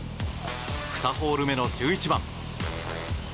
２ホール目の１１番。